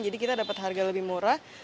jadi kita dapat harga lebih murah